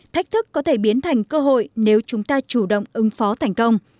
thách thức có thể biến thành cơ hội nếu chúng ta chủ động ứng phó thành công